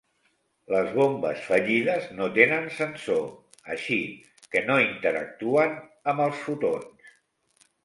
Les bombes fallides no tenen sensor, així que no interactuen amb els fotons.